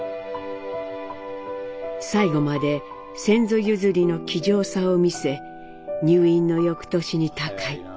最後まで先祖譲りの気丈さを見せ入院の翌年に他界。